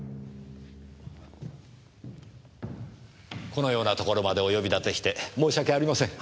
このようなところまでお呼び立てして申し訳ありません。